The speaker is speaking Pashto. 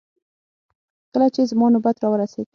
کله چې زما نوبت راورسېد.